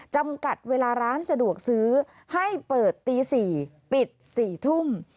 จำกัดเวลาร้านสะดวกซื้อให้เปิดตี๔ปิด๔ทุ่ม